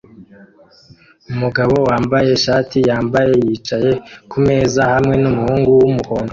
Umugabo wambaye ishati yambaye yicaye kumeza hamwe numuhungu wumuhondo